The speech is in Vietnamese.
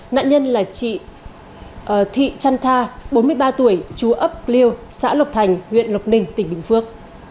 nạn nhân là chị thị trăn tha bốn mươi ba tuổi chú ấp liêu xã lộc thành huyện lộc ninh tỉnh bình phước